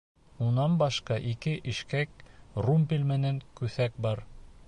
Унан башҡа ике ишкәк, румпель менән күҫәк бар.